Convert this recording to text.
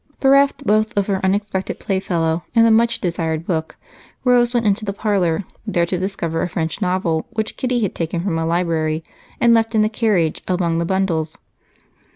Bereft both of her unexpected playfellow and the much desired book, Rose went into the parlor, there to discover a French novel which Kitty had taken from a library and left in the carriage among the bundles.